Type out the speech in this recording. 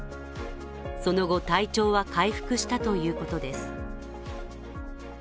その後、体調は回復したということです。